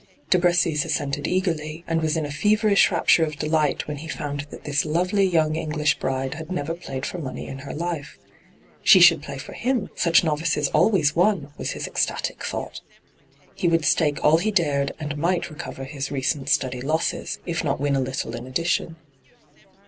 De Bressis assented eagerly, and was in a feverish rapture of delight when he found that this lovely young English bride had never played for money in her life. She should play for him ; such novices always won, was his ecstatic thought. He would stake all he dared, and might recover his recent steady losses, if not win a little in addition.